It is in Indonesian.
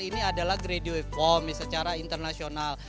ini adalah graduay form secara internasional